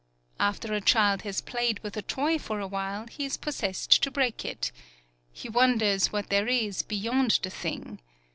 After a child has played with a toy for a while, he is possessed to break it. He wonders what there is beyond the thing.